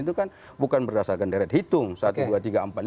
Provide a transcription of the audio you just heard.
itu kan bukan berdasarkan deret hitung satu dua tiga empat